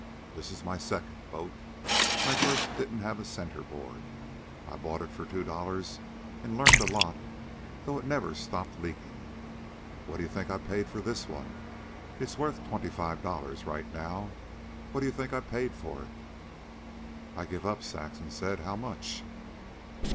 This is my second boat. My first didn't have a centerboard. I bought it for two dollars an' learned a lot, though it never stopped leaking. What d 'ye think I paid for this one? It's worth twenty five dollars right now. What d 'ye think I paid for it?" "I give up," Saxon said. "How much?"